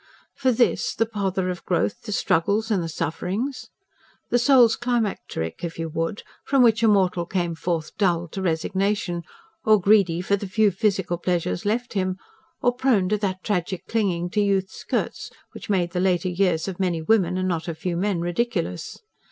For this the pother of growth, the struggles, and the sufferings?" The soul's climacteric, if you would, from which a mortal came forth dulled to resignation; or greedy for the few physical pleasures left him; or prone to that tragic clinging to youth's skirts, which made the later years of many women and not a few men ridiculous.